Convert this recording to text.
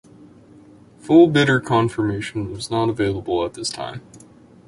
Full bidder confirmation was not available at this time.